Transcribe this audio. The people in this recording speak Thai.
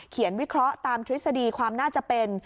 วิเคราะห์ตามทฤษฎีความน่าจะเป็น